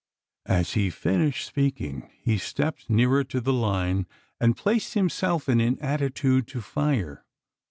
As he finished speaking, he stepped nearer to the line, and placed himself in an attitude to fire.